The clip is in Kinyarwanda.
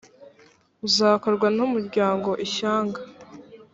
uzakorwa n umuryango ishyanga